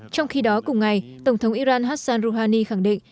trong khi đó cùng ngày tổng thống iran hassan rouhani khẳng định